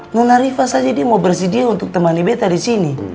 nona riva saja dia mau bersedia untuk temani beta disini